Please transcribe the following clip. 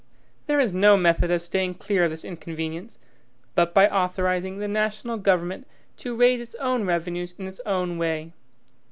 There is no method of steering clear of this inconvenience, but by authorizing the national government to raise its own revenues in its own way.